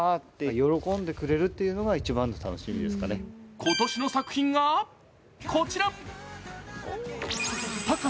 今年の作品がこちら高さ